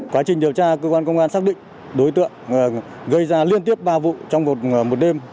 quá trình điều tra cơ quan công an xác định đối tượng gây ra liên tiếp ba vụ trong một đêm